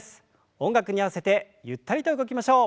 音楽に合わせてゆったりと動きましょう。